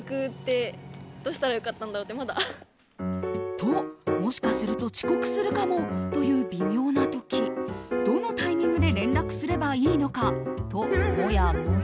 と、もしかすると遅刻するかもという微妙な時どのタイミングで連絡すればいいのかと、もやもや。